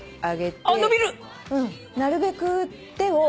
なるべく手を。